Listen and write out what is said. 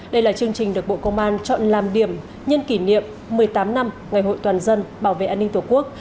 đây là chương trình được bộ công an chọn làm điểm nhân kỷ niệm một mươi tám năm ngày hội toàn dân bảo vệ an ninh tổ quốc